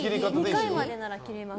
２回までなら切れます。